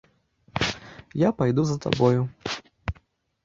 Я пайду за табою.